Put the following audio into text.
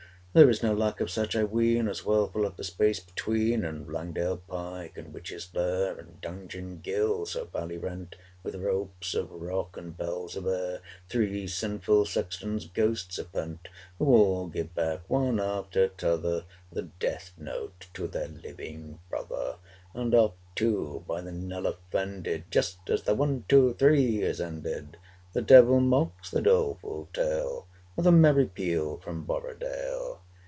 There is no lack of such, I ween, As well fill up the space between. In Langdale Pike and Witch's Lair, 350 And Dungeon ghyll so foully rent, With ropes of rock and bells of air Three sinful sextons' ghosts are pent, Who all give back, one after t'other, The death note to their living brother; 355 And oft too, by the knell offended, Just as their one! two! three! is ended, The devil mocks the doleful tale With a merry peal from Borodale.